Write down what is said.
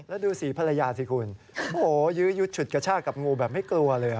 แล้วดูสีภรรยาสิคุณโอ้โหยื้อยุดฉุดกระชากกับงูแบบไม่กลัวเลย